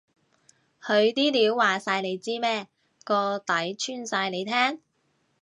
佢啲料話晒你知咩？個底穿晒你聽？